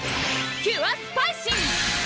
キュアスパイシー！